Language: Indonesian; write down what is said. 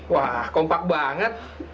wah kompak banget